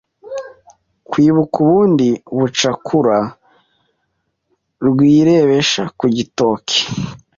rwibuka ubundi bucakura, rwirebesha ku gitoke